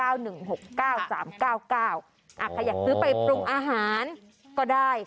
ใครอยากซื้อไปปรุงอาหารก็ได้